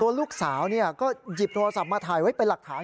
ลูกสาวก็หยิบโทรศัพท์มาถ่ายไว้เป็นหลักฐาน